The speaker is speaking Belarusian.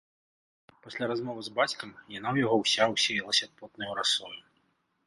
Пасля размовы з бацькам яна ў яго ўся ўсеялася потнаю расою.